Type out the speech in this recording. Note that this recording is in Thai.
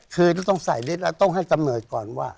คือต้องใส่ลิตรแล้วต้องให้กำเนิดก่อนว่า